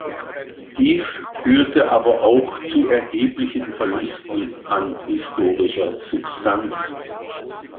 Dies führte aber auch zu erheblichen Verlusten an historischer Substanz.